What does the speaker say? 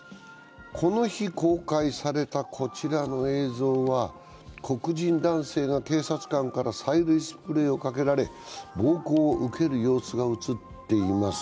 この日公開されたこちらの映像は、黒人男性が警察官から催涙スプレーをかけられ暴行を受ける様子が映っています。